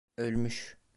Ölmüş.